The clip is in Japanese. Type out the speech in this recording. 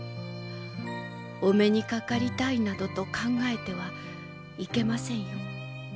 お目にかかりたいなどと考えてはいけませんよ。